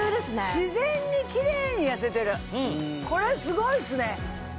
自然にキレイに痩せてるこれはスゴいっすね。